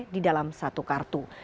di dalam satu kartu